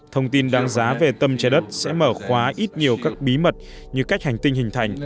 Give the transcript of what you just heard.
thông tin đáng giá về tâm trái đất sẽ mở khóa ít nhiều các bí mật như cách hành tinh hình thành